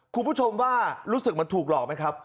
คุณผู้ชมว่ารู้สึกมันถูกหลอกไหมครับ